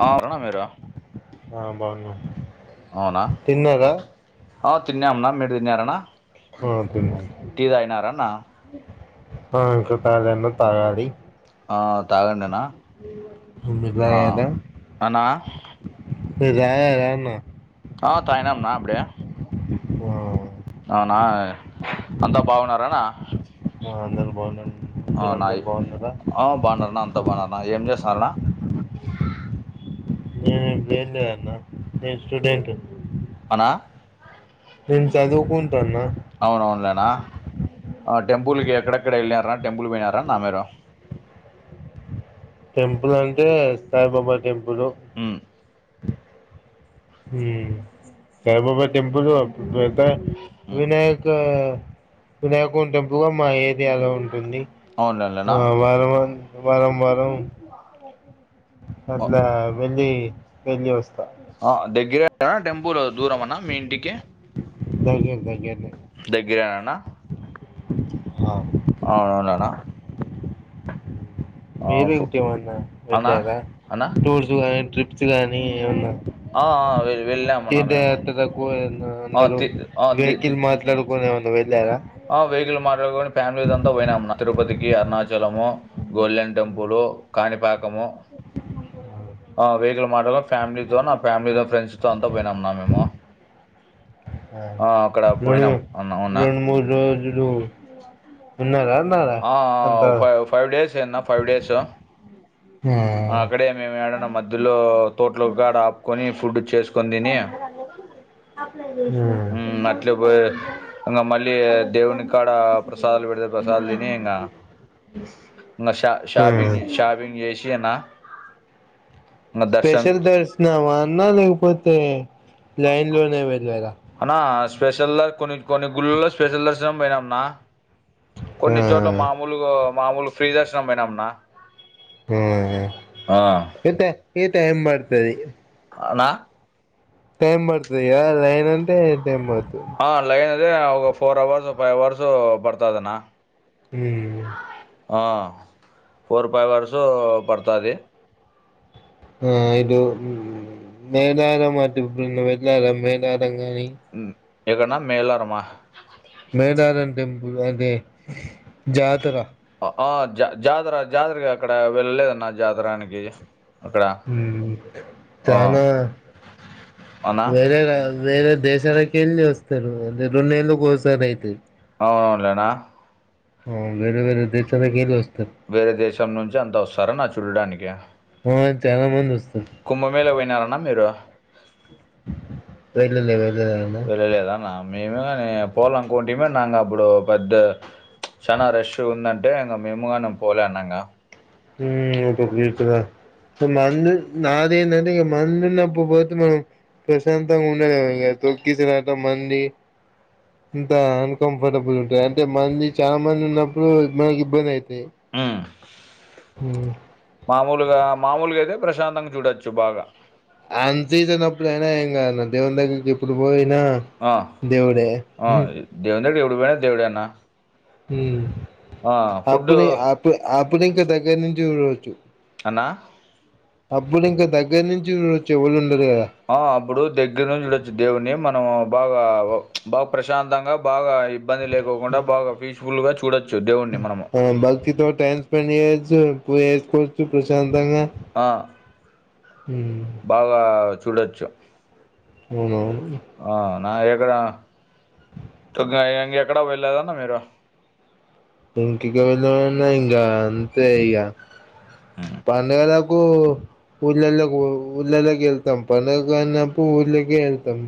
బాగున్నారా మీరు ఆ బాగున్నామ్ అవునా ఆ తిన్నాం అన్న మీరు తిన్నార అన్న ఆ తిన్నామ్ ఆ ఇంకా తాగలేన్న తాగాలి ఆ తాగండినా ఎందుకు ఆ తాగలే అనా మీరు తాగారా అన్న ఆ తాగిన అన్న అప్పుడే ఆ అవునా అంతా బాగున్నారాఅన్న ఆ అందరూ బాగున్నారు మీరందరు అవునాయి బాగున్నారా ఆ బాగున్నారనా అంతా బాగున్నరనా ఏం జేస్తున్నార అన్న నేను వెళ్లేదన్న నేను స్టూడెంట్ ని అనా నేను చదువుకొంటున్నా అవును అవునులే అన్న ఆ టెంపుల్కి ఎక్కడెక్కడ ఎల్లారా టెంపుల్ పోయినారా అన్నా మీరు టెంపుల్ అంటే సాయిబాబా టెంపులు ఉ ఉ సాయిబాబా టెంపుల్ పోయేవరకు ఎంత అయింది మ్మ్ వినాయక వినాయకు టెంపుగా మా ఏరియాలో ఉంటుంది అవునులేనా ఆ వారం వారం వారం వారం అట్ల వెళ్ళి వెళ్ళి వస్తా ఆ దగ్గర టెంపుల్ దూరం అన్నా మీ ఇంటికి దగ్గర దగ్గరనే దగ్గరే అన్న అవును అవును అవును అన్న మీరు ఇంకేమన్నా అనా వెళ్ళారా అనా టూర్స్ గాని ట్రిప్స్ గానీ ఏమన్నా ఆ ఆ వెల్ వెళ్ళామన్నా మేము తీర్ధయాత్రలకు ఆ అందరు తి ఆ తి తి వెహికిల్ మాట్లాడు కొని ఏమన్నా వెళ్ళారా ఆ వెహికిల్ మాట్లాడుకొని ఫ్యామిలీ అంతా పోయినాం అన్నా తిరుపతికి అరుణాచలము గోల్డెన్ టెంపులు కాణిపాకము ఆ వెహికిల్ మాట్లాడుకొని ఫ్యామిలీతో నా ఫ్యామిలీతో ఫ్రెండ్స్ తో అంతా పోయినాం అన్నా మేము ఆ అక్కడ రెండు పోయినాం అన్నా మొన్న మూడు రోజులు ఉన్నరా అన్నా ఆడ ఆ అంత ఆ! ఫైవ్ ఫైవ్ డేస్ అన్న ఫైవ్ డేస్ ఆ! ఆ అక్కడే మేము ఏడన్నా మధ్యలో తోటల కాడ ఆపుకొని ఫుడ్ చేసుకు ఆ మ్మ్ అట్లే పోయి ఇంగ మళ్ళీ దేవుని కాడ ప్రసాదాలు పెడతా ప్రసాదాలు తిని ఇం గా ఆ షాపింగ్ షాపింగ్ ఆ. చేసినా స్పెషల్ దర్శనమా అన్నా లేకపోతే లైన్ లోనే వెళ్ళారా? అన్నా స్పెషల్లా కొన్నికొన్ని గుళ్ళల్ల స్పెషల్ దర్శనం పోయినన్నా. ఆ కొన్ని చోట్లా మామూలుగా మామూలు ఫ్రీ దర్శనం పోయినన్నా. ఆ ఇతే ఇతే టైం బడుతది. అవునా. టైం పడతదిగా లైన్ అంటే టైమ్ పడుతది. ఆ లైన్ అదే ఒక ఫోర్ అవర్స్ ఫైవ్ అవర్సు పడతాదన్నా. ఉమ్ ఆ ఫోర్ ఫైవ్ అవర్సు పడతాది. ఆ ఇటు మేడారం అటేప్పుడన్నా వెళ్ళారా మేడారం కానీ. ఎటన్నా మేలారమా. మేడారం టెంపుల్ అంటే జాతర ఆ జా జాతర జాతరగా అక్కడ వెళ్ళలేదన్న జాతరానికి. అక్కడ ఆ చానా అన్నా వేరే రా వేరే దేశాలకెళ్లి వస్తరు, రెండెల్లకోసారీ అయితది. అవునవునులే అన్నా. వేరే వేరే దేశాలకెళ్ళి వస్తరు. వేరే దేశం నుంచి అంతా వస్తారా అన్నా చూడడానికి. ఆ చానా మంది వస్తరు. కుంభమేళ పోయినారన్న మీరు? వెళ్ళలే వెళ్ళలేదన్న వెళ్ళలేదా అన్నా? మేమేగాని పోవాల అనుకుంటిమి నాకు అప్పుడు పెద్ద చానా రష్ ఉందంటే ఇంగ మేముగానే పోలే అన్నా ఇంగా. హ్ ఎంటో తీస్తున్నారు. మందు నాదేందంటే ఇంగ మందు ఉన్నప్పుడు పోతే మనం ప్రశాంతంగా ఉండలేం ఇగ తోక్కిసలాట మంది అంతా అన్కంఫర్టబుల్ ఉంటది అంటే మంది చాలా మంది ఉన్నప్పుడు మనకి ఇబ్బంది అయితది. ఆ హ్ మామూలుగా మామూలుగా అయితే ప్రశాంతంగా చూడొచ్చు బాగా. అన్సీజనప్పుడు అయినా ఏం కాదన్నా దేవుని దగ్గరికి ఎప్పుడు పోయినా ఆ దేవుడే ఆ దేవుని దగ్గరకు ఎప్పుడు పోయినా దేవుడే అన్నా. హ్ అప్పుడు అప్పు అప్పుడింక దగ్గరి నుంచి చూడొచ్చు. అన్నా అప్పుడు ఇంకా దగ్గర నుంచి చూడొచ్చు ఎవ్వలు ఉండరు కదా. ఆ అప్పుడు దగ్గర నుంచి చూడొచ్చు దేవున్ని మనం బాగా బాగా ప్రశాంతంగా బాగా ఇబ్బంది లే కోకుండా బాగా పీస్ఫుల్గా చూడొ ఆ భక్తితో టైమ్ స్పెండ్ చేయోచ్చు, పూజచేసుకోచ్చు ప్రశాంతంగా. ఆ బాగా చూడొచ్చు. అవునవును. ఆ నా దగ్గరా [unintelligible] ఇంగ ఎక్కడా వెళ్ళలేదన్న మీరు. ఇంకిక వెల్లమన్నా ఇంకా అంతే ఇగ. పండగలకు ఊళ్ళల్లకు ఊళ్ళల్లకి ఎళ్తం పండగ అన్నపు ఊళ్ళకి ఎళ్తం.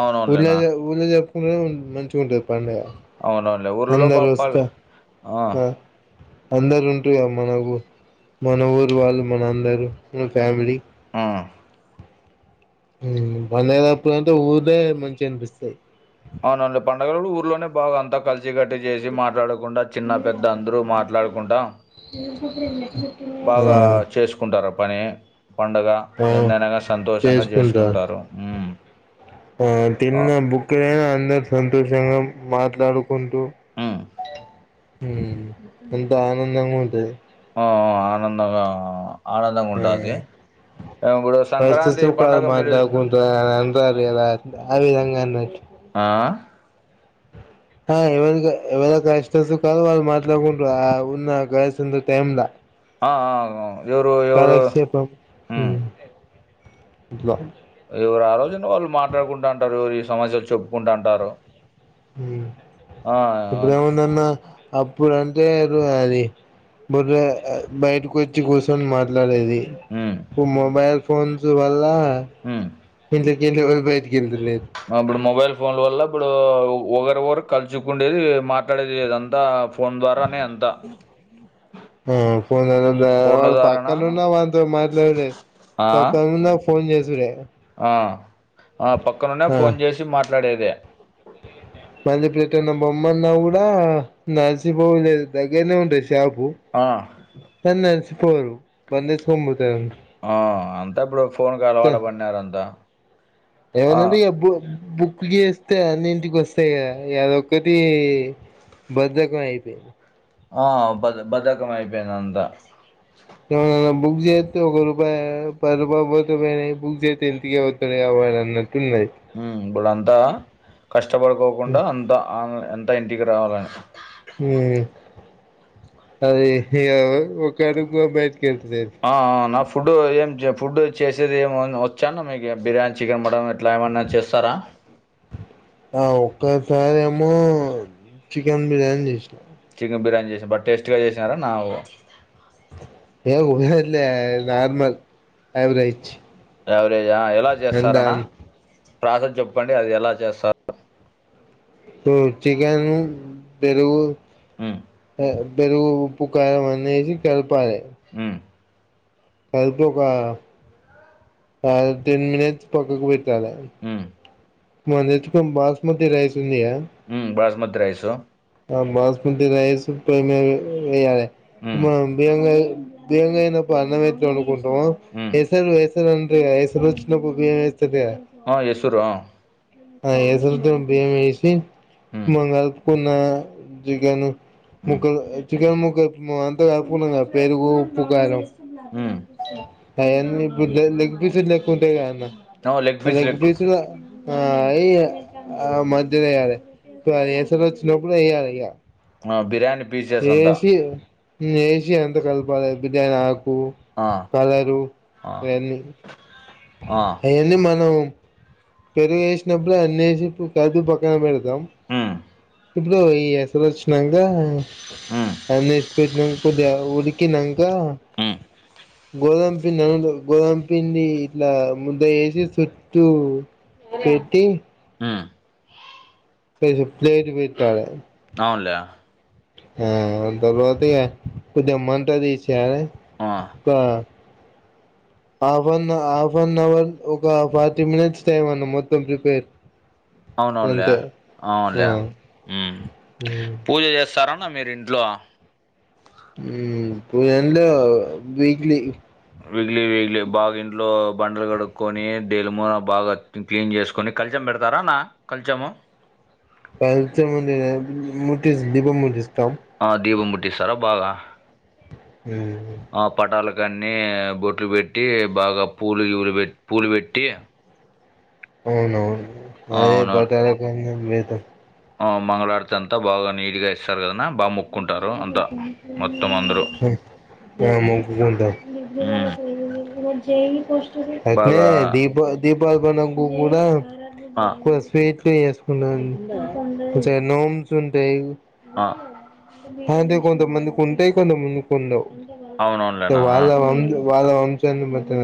అవునవునులేనా ఊళ్ళల్ల ఊళ్ళ జరుపుకుంటనే మంచిగా ఉంటది పండగ. అవునవునులే ఊర్లలో పాపాలు ఆ అందరు ఉంటూ మనకు మన ఊరు వాళ్ళు మన అందరు మన ఫ్యామిలీ ఆ బండగ అప్పుడు అంటే ఊరే మంచి అనిపిస్తాయి అవునండి పండుగలు ఊర్లోనే బాగా అంతా కల్ సికట్టు చేసి మాట్లాడకుంటా చిన్న పెద్ద అందరూ మాట్లాడకుంటామ్ [unintelligible] బాగా ఆ చేసుకుంటారు పని పండగ ఆ ఎందైనగా సంతోషంగా చేసుకుంటారు ఆ ఆ, తిన్న బుక్లైనా అందరు సంతోషంగా మాట్లాడుకుంటూ ఉమ్. ఉమ్ ఎంత ఆనందంగా ఉంటది ఆ ఆనందంగా ఆనందంగా ఉ ఉంటుంది ఇప్పుడు కష్ట సంక్రాంతి సుఖాలు పండగ మీరు మాట్లాడుకుంటా అలా అంటారు కదా ఆవిధంగా అన్నట్టు ఆ ఆ ఎవరి ఎవరి కష్ట సుఖాలు వాళ్ళ మాట్లాడుకుంట్రు ఆ ఉన్న కాసంత టైమ్లా ఆ ఎవరు ఎవరు కరక్ చెప్ప హ్మ్. [inaudible] ఎవరు ఆ రోజున వాళ్ళు మాట్లాడుకుంతాంటారు ఎవరు ఈ సమస్యలు చెప్పుకుంటుంటారు ఇప్పుడే ముందన్న అప్పుడు అంటే అది బర బయటకు వచ్చి కూర్చొని మాట్లాడేది హ్మ్. మొబైల్ ఫోన్స్ వల్ల హ ఇంట్లో నుంచి బయటకెళ్తూ లేదు అప్పుడు మొబైల్ ఫోన్ వల్ల ఇప్పుడు ఒకరి ఒకరు కలుచకుండేది మాట్లాడేది లేదంతా ఫోన్ ద్వారానే అంతా ఆ ఫోన్ల ఫోన్లలో ద్వారానా పక్కన ఉన్న వాళ్లతోని మాట్లాడలేరు ఆ! పక్కనున్న ఫోన్ చేసుడే ఆ ఆ పక్కనున్న ఫోన్ చేసి మాట్లాడేదే తె మళ్ళీ పెట్టన్న బొమ్మన్నా కూడా నడిసిపోలేదు దగ్గరనే ఉంటది షాపు ఆ కానీ నడిచి పోరు బండేసుకొని పోతారు ఆ అంతా ఇప్పుడు ఫోన్కలవాటు పన్నారు అంతా ఏమందంటడి ఎప్పుడు బుక్కి తే అన్నింటికి వస్తాయి కదా అదొక్కటి బద్దకం అయిపోయింది ఆ బద్దకం అయిపోయింది అంతా ఏమ బుక్ చేస్తే ఒక రూపాయి పది రూపాయ పోతే పోయినా బుక్ చేస్తే ఇంటికే ఒత్తయి గదా అన్నట్టు తే ఇప్పుడు అంతా కష్టపడుకోకుండా అంతా ఆ ఎంతా ఇంటికి రావాలని హ అది ఇగ ఒక్కడు గూడ బయట కెళ్తలేదు నా ఫుడ్ ఏం ఫుడ్ చేసేది ఏమి వచ్చా అన్న మీకు బిర్యానీ చికెన్ మటన్ ఇట్లా ఏమన్నా చేస్తారా ఆ ఒక్కసారేమో చికెన్ బిర్యానీ చేసినా చికెన్ బిర్యానీ చేసిన బా టేస్టీ గా చేసినారా ను ఏ ఉన్నది లే నార్మల్ యావరేజ్ ఎవరేజ ఎలా అంతా చేస్తారన్న ప్రాసెస్ చెప్పండి అది ఎలా చేస్తారు. చికెన్ పెరుగు హ్ పెరుగు ఉప్పు కారం అన్ని వేసి కలపాలి హ్ కాకపోతే ఒక టెన్ మినిట్స్ పక్కకు పెట్టాలా హ్మ్. మనము తెచ్చుకున్న బాస్మతి రైస్ ఉందిగా హ్ బాస్మతి రైసు ఆ బాస్మతి రైస్ పోయి మీద వెయాలీ హ్మ్. ఇగ ఏం చేయనప్పుడు అన్నం ఎట్ల అందుతుంటున్నావ్ హ్మ్. ఎసరు ఎసరు అంటారు గాదా ఎసరు వచ్చినప్పుడు బియ్యం వేస్తది కదా ఆ ఏస్తుర్రు ఆ ఆ ఏసరుతో బియ్యం వేసి హ్మ్. మ కలుపుకున్న జగన్ హ్మ్. ముక్కలు చికెన్ ముక్క అంతా కల్ప్ కున్నా క పెరుగు ఉప్పు కారం హ్మ్. లెగ్ పీస్ లెక్క ఉంటుంన్నా లెగ్ పిసులు ఆ అయ ఆ మధ్యలో వేయ్యాలి ఇప్పుడు ఏసరూ వచ్చినప్పుడు వేయ్యాలి కదా ఆ బిర్యానీ పిస్ ఏసి ఏసి అంత కలిపాలీ బిర్యానీ ఆకు ఆ కలరు ఆ అవన్నీ ఆ అవన్నీ మనం పెరుగు వేసినప్పుడు అన్నేసి కాదు పక్కన పెడతాం హ్ ఇప్పుడు ఈ ఎసరూ వచ్చినంక హ్మ్. అన్నేసి పెట్టినాక కొద్దిగా ఉడికి ఉడికినంక హ్మ్. గోదాం పిండి అని గోదాం పిండి ఇట్లా ముద్ద వేసి చుట్ చుట్టు పెట్టి హ్మ్. ప్లేట్ పెట్టాలే అవునులే ఆ తర్వాత కొద్దిగా మంట తీసేయాలి ఆ half an half an hour ఒక ఫార్టీ మినిట్స్ టైమ్ అన్న మొత్తం ప్రిపేర్ అవునవునులే అంతే ఆ అవునులే పూజ చేస్తారానా మీరు ఇంట్లో ఇగ అందు వీక్లీ విక్లి విక్లి బాగా ఇంట్లో బండలు కడుక్కొని దలిమూన బాగా క్లీన్ చేసుకొని కలిచం పెడతారా నా కలిచము కలచం ఉంది మ దీపం ముట్టిస్తాం ఆ దీపం ముట్టిస్తారా బాగా ఉ ఆ పటాలకన్ని బొట్లు పెట్టి బాగా పూలు గిలు పెట్టి పూలు పెట్టి అవునవును అదే బట్టాల కొంచం మిద మంగళ ఆరతి అంతా బాగా నీట్గా ఇస్తారు కదన్న బాగా మొక్కుంటారు. అంత మొత్తం అందరూ మొక్కుకుంటాం ఉమ్ అయితే బాగా దీప దీపావలి పండగబబు గూడా ఆ వ స్వీట్ వేసుకున్నాను కొంచం నోమ్స్ ఉంటాయి ఆ అది కొంత మంది కుంటాయి కొంతా కొంత మంది కుండవు అవునవునులేనా వాళ్ళ వంశాన్ని బట్టి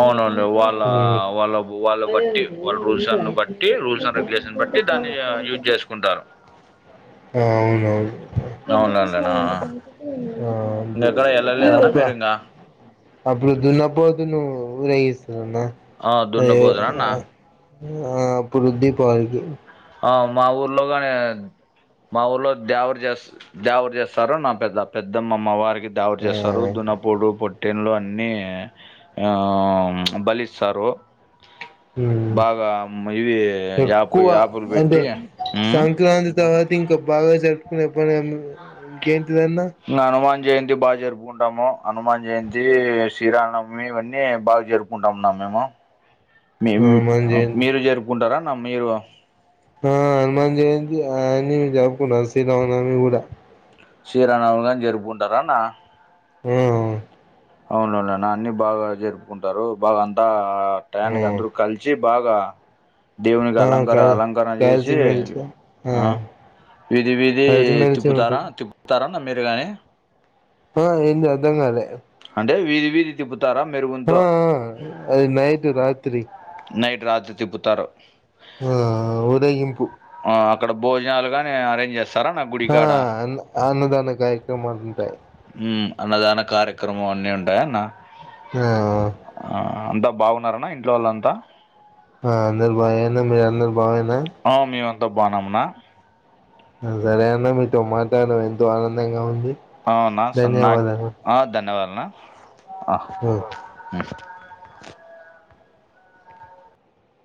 అవునండి వాళ్ళ మ్ వాళ్ళ వాళ్ళ బట్టి వాళ్ళ రూల్సన్న బట్ట్ టి రూల్స్ అండ్ రెగ్యులేషన్ బట్టి దాన్ని యూజ్ చేసుకుంటారు అవునువును అవునులేండన్నా ఇంకెక్కడ ఎళ్ళలేదన్నా ఆ మీరింగా? అబుడు దున్నబ్బోదు నువ్వు ఊరేగిస్తరన్న ఆ అదే దున్నపోతునన్నా ఆప్పుడు దీపావలికి ఆ మా ఊర్లో కానే మా ఊర్ళ దేవరి జేస్త్ దేవరు జేస్తారు నా పెద్ద పెద్దమ్మమ్మ వారికి దేవడు ఆ జేస్తారు దున్నప్ పొడు పొట్టెన్లు అన్ని ఆ బలిస్తారు మ్మ్ బాగా ఇవి యాప్ప్ ఎక్కువ యాప్ప్ అంటే సెవ్ సంక్రాంతి తర్వాత ఇంకా బాగా జరుపుకునే [unintelligible] ఇంకేంటిదన్న ఇహనుమాన్ జయంతి బాగా జరుపు కుంటాము హనుమాన్ జయంతి శీరామ్ నవమి ఇవన్నీ బాగా జరుపుకుంటా ఉన్నా మేము మీ హనుమాన్ జయంతి మీరు జరుపుకుంటారానా మీరు ఆ హనుమాన్ జయంతి అన్ని జరుప్పుకున్నా శ్రీరామ నవమిగూడా శీరామనవమిగాని జరుపుకుంటారా అన్న ఉ అవునవునున్న అన్ని బాగా జరుపుకుంటారు బాగా అంతా ఆ టైన్ క అందరూ కలిసి వచ్చి బాగా దేవునికి ఆ అలంకర కాదు అలంకరణ కాల్చి చేసి మెలిచి ఆ వీది వీదీ కలిసి మెలిసి ఉంటాం తిప్పుతారా తిప్పుత్తారాన్న మీరు గాని ఆ ఎంది అద్దంగాలే అంటే వీదీ వీదీ తిప్పు తారా మీర్ ఆ అది నైట్ రాత్రి నైట్ రాత్రి తిప్పుతారు ఆ ఉరేగింపు అక్కడ భోజనాలు గాని అరేంజ్ చేస్త్ ఆ అన్న అన్నదాన కార్యక్రమాలు ఉంటాయి అన్నదాన కార్యక్రమం అన్నీ ఉంటాయా అన్న ఆ ఆ అంతా బాగున్నారన్న ఇంట్లో వాళ్లంతా ఆ అందరు బాగానా మీరు అందరు బాగానా ఆ మేమంతా బాగున్నామనా సరే అన్న మీతో మాట్లాడం ఎంతో ఆనందంగా ఉంది అవునా స నా ధన్యవాదాలు ఆ ధన్యవాదనా ఆ హ